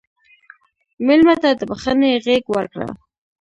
مېلمه ته د بښنې غېږ ورکړه.